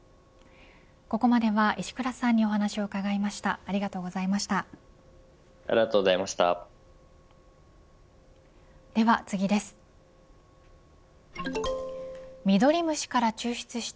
ここまでは石倉さんにお話を伺いました。